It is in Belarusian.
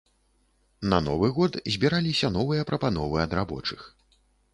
На новы год збіраліся новыя прапановы ад рабочых.